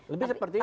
lebih seperti itu